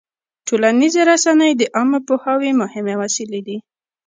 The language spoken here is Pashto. ټولنیزې رسنۍ د عامه پوهاوي مهمې وسیلې دي.